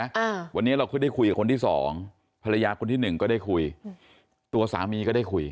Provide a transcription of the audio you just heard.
อ่าวันนี้เราเคยได้คุยกับคนที่สองภรรยาคนที่หนึ่งก็ได้คุยตัวสามีก็ได้คุย